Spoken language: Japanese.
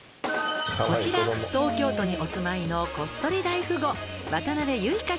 「こちら東京都にお住まいのこっそり大富豪渡辺ゆいかさん」